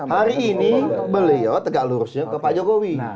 hari ini beliau tegak lurusnya ke pak jokowi